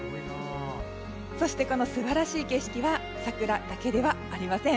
そしてこの素晴らしい景色は桜だけではありません。